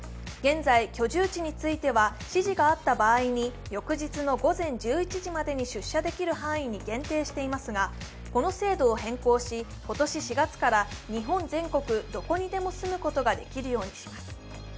現在、居住地については指示があった場合に翌日の午前１１時までに出社できる範囲に限定していますがこの制度を変更し、今年４月から日本全国どこにでも住むことができるようにします。